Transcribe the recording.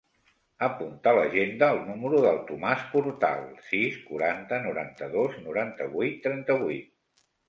Apunta a l'agenda el número del Tomàs Portal: sis, quaranta, noranta-dos, noranta-vuit, trenta-vuit.